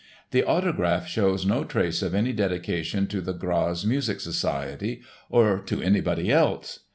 The autograph shows no trace of any dedication to the Graz Music Society or to anybody else!